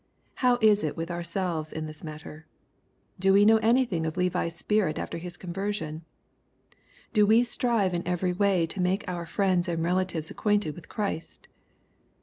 How is it with ourselves in this matter ? Do we know anything of Levi's spirit after his conversion ? Do we strive in every way to make our friends and relatives acquainted with Christ